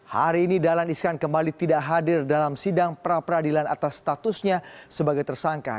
hari ini dahlan iskan kembali tidak hadir dalam sidang pra peradilan atas statusnya sebagai tersangka